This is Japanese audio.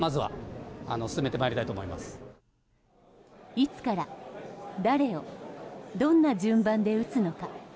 いつから、誰をどんな順番で打つのか。